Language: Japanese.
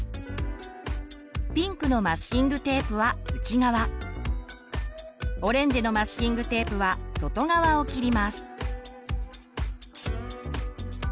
ピンクのマスキングテープは内側オレンジのマスキングテープは外側を切ります。